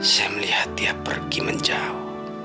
saya melihat dia pergi menjawab